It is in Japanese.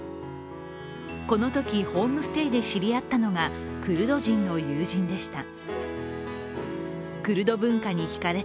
このときホームステイで知り合ったのがクルド人の友人でした。